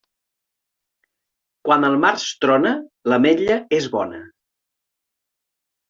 Quan al març trona, l'ametlla és bona.